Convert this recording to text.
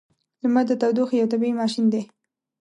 • لمر د تودوخې یو طبیعی ماشین دی.